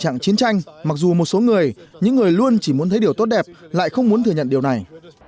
chúng ta đang ở trong tình trạng chiến tranh mặc dù một số người những người luôn chỉ muốn thấy điều tốt đẹp lại không muốn thừa nhận điều này